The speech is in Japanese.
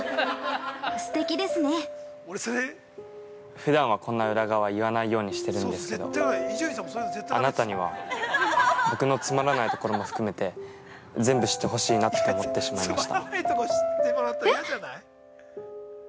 ◆ふだんは、こんな裏側言わないようにしてるんですけど、あなたには僕のつまらないところも含めて全部知ってほしいなって思ってしまいました。